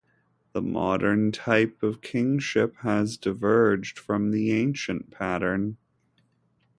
The modern type of kingship has diverged from the ancient pattern.